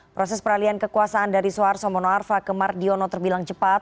proses peralian kekuasaan dari soeharto mono arfa ke mardiono terbilang cepat